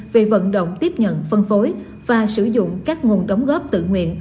về vận động tiếp nhận phân phối và sử dụng các nguồn đóng góp tự nguyện